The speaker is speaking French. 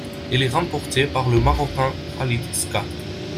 Elle est remportée par le Marocain Khalid Skah.